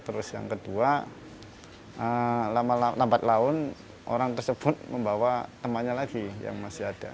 terus yang kedua lamat laun orang tersebut membawa temannya lagi yang masih ada